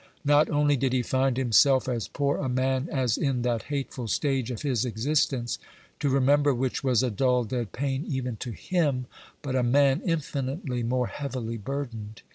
Not only did he find himself as poor a man as in that hateful stage of his existence to remember which was a dull dead pain even to him but a man infinitely more heavily burdened.